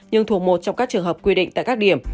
nhưng thuộc một trong các trường hợp quy định tại các điểm